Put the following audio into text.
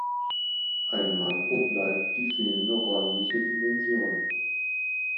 Ein Manko bleibt die fehlende räumliche Dimension.